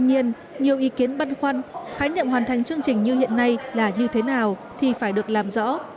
tuy nhiên nhiều ý kiến băn khoăn khái niệm hoàn thành chương trình như hiện nay là như thế nào thì phải được làm rõ